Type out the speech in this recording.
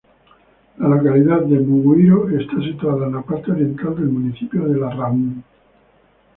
La localidad de Muguiro está situada en la parte oriental del municipio de Larráun.